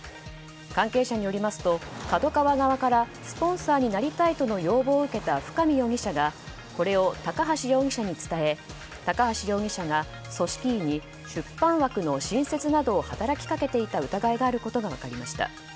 関係者によりますとＫＡＤＯＫＡＷＡ側からスポンサーになりたいとの要望を受けた深見容疑者はこれを高橋容疑者に伝え高橋容疑者が組織委に出版枠の新設などを働きかけていた疑いがあることが分かりました。